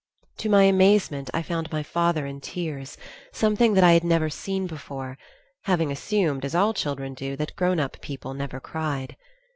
To my amazement I found my father in tears, something that I had never seen before, having assumed, as all children do, that grown up people never cried.